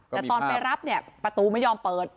แต่ตอนไปรับเนี่ยประตูไม่ยอมเปิด